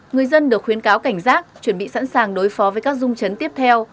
người dân được khuyến cáo cảnh giác chuẩn bị sẵn sàng đối phó với các dung chấn tiếp theo